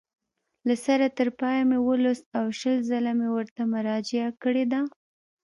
له سره تر پایه مې ولوست او شل ځله مې ورته مراجعه کړې ده.